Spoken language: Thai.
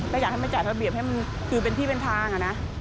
ก็อยากให้มันจัดระเบียบให้มันคือเป็นที่เป็นทางอะนะ